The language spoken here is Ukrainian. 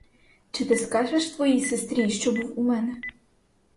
Чи ти скажеш твоїй сестрі, що був у мене?